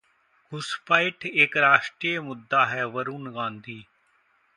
घुसपैठ एक राष्ट्रीय मुद्दा हैः वरूण गांधी